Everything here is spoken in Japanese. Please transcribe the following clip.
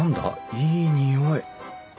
いい匂い。